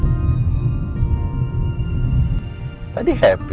kamu kan jadi sedih gitu kenapa